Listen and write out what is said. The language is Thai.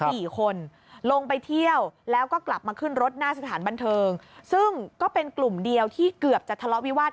สี่คนลงไปเที่ยวแล้วก็กลับมาขึ้นรถหน้าสถานบันเทิงซึ่งก็เป็นกลุ่มเดียวที่เกือบจะทะเลาะวิวาส